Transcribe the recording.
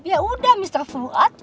yaudah mr fuad